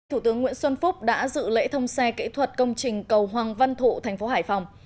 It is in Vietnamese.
thủ tướng nguyễn xuân phúc đã dự lễ thông xe kỹ thuật công trình cầu hoàng văn thụ thành phố hải phòng